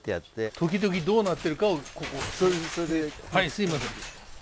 時々どうなってるかをはいすみません。